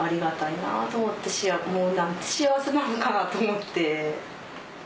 なんて幸せなのかなと思って。